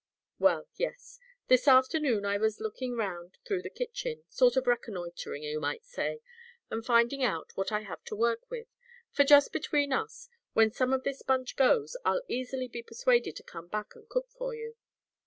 "Well yes. This afternoon I was looking round through the kitchen, sort of reconnoitering, you might say, and finding out what I have to work with, for just between us, when some of this bunch goes I'll easily be persuaded to come back and cook for you.